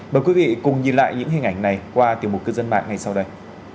mời quý vị cùng nhìn lại những hình ảnh này qua tiểu mục cư dân mạng ngay sau đây